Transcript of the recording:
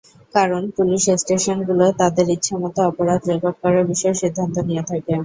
কারণ, পুলিশ স্টেশনগুলো তাদের ইচ্ছামতো অপরাধ রেকর্ড করার বিষয়ে সিদ্ধান্ত নিয়ে থাকে।